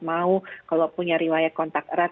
mau kalau punya riwayat kontak erat